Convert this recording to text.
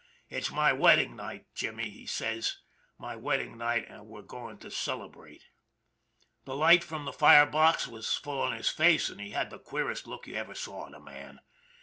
"' It's my wedding night, Jimmy/ he says. ' My wedding night, and we're going to celebrate/ " The light from the fire box was full on his face, and he had the queerest look you ever saw on a man.